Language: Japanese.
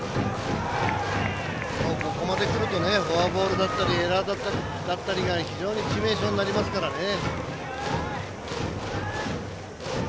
ここまでくるとフォアボールだったりエラーだったりが非常に致命傷になりますからね。